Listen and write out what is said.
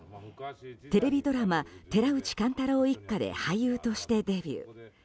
テレビドラマ「寺内貫太郎一家」で俳優としてデビュー。